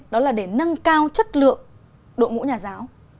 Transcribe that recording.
đó là để nâng cao chất lượng đội ngũ nhà giáo